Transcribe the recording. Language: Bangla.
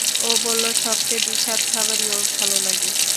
ও বলল, সবচেয়ে বিস্বাদ খাবারই ওর ভালো লাগে।